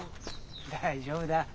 大丈夫だ。